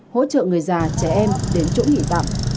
hỗ trợ người già trẻ em đến chỗ nghỉ tạm